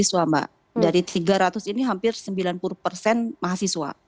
mahasiswa mbak dari tiga ratus ini hampir sembilan puluh persen mahasiswa